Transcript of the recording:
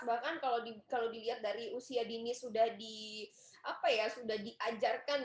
bahkan kalau dilihat dari usia dini sudah diajarkan